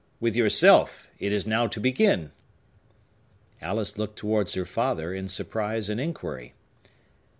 With yourself, it is now to begin!" Alice looked towards her father, in surprise and inquiry.